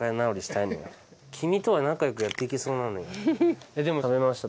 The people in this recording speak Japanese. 君とは仲良くやって行けそうなのよ。